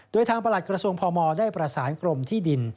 โดยทางประหลัดกระทรวงพมได้ประสานกรมที่ดิน